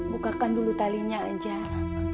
bukakan dulu talinya anjar